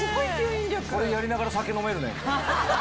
これやりながら酒飲めるね。